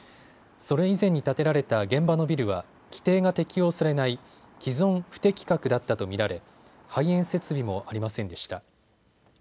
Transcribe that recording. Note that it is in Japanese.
それ以前に建てられた現場のビルは規定が適用されない既存不適格だったと見られ排煙設備もありませんでした。